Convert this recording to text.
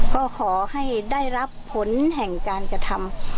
ก็ขอให้ได้รับผลแห่งการกระทำ